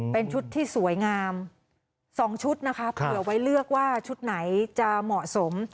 เป็นชุดที่สวยงาม๒ชุดนะคะเผื่อไว้เลือกว่าชุดไหนจะเหมาะสม